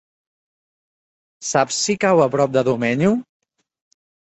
Saps si cau a prop de Domenyo?